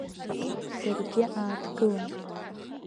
Даргьы ааҭгылан.